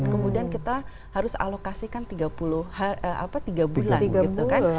kemudian kita harus alokasikan tiga bulan gitu kan